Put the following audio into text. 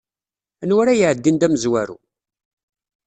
Anwa ara iɛeddin d amezwaru?